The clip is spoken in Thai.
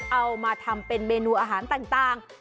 เอามาทำเป็นเมนูอาหารต่าง